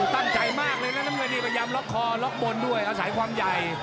ตั้งใจมากเลยนะน้ำเงินนี่พยายามล็อกคอล็อกบนด้วยอาศัยความใหญ่